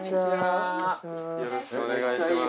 よろしくお願いします。